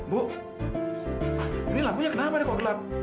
bu ini lampunya kenapa nih kok gelap